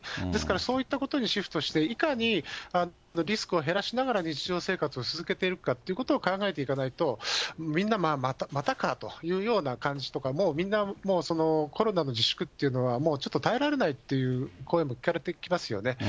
ですからそういったことにシフトして、いかにリスクを減らしながら日常生活を続けていくかということを考えていかないと、みんな、またかというような感じとか、もうみんな、コロナの自粛というのはもうちょっと耐えられないっていう声も聞かれてきますよね。